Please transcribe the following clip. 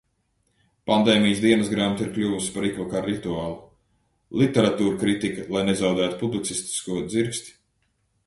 Pandēmijas dienasgrāmata ir kļuvusi par ikvakara rituālu. Literatūrkritika, lai nezaudētu publicistisko dzirksti.